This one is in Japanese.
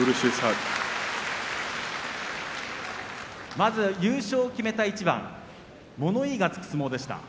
まず優勝を決めた一番物言いがつく相撲でした。